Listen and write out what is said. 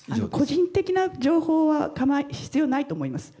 個人的な情報は必要ないと思います。